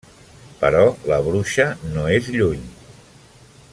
Però la bruixa no és lluny.